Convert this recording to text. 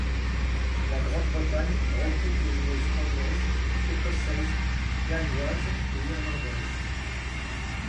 La Grande-Bretagne regroupe des joueuses anglaises, écossaises, galloises et irlandaises.